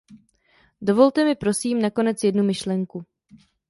Dovolte mi prosím nakonec jednu myšlenku.